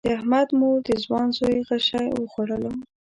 د احمد مور د ځوان زوی غشی وخوړلو.